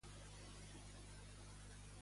Què s'ha destacat en la declaració de Diego?